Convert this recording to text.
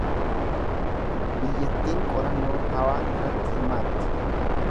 Biyyattiin qorannoo hawaa irratti hirmaatti.